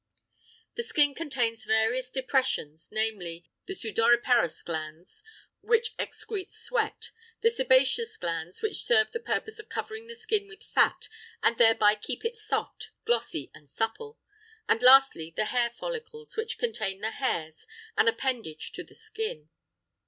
The skin contains various depressions, namely, the sudoriparous glands which excrete sweat; the sebaceous glands which serve the purpose of covering the skin with fat and thereby keep it soft, glossy, and supple; and lastly the hair follicles which contain the hairs, an appendage to the skin.